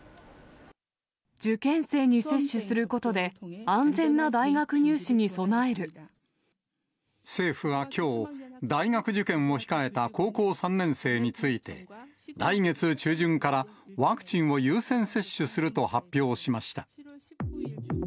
受験生に接種することで、政府はきょう、大学受験を控えた高校３年生について、来月中旬からワクチンを優先接種すると発表しました。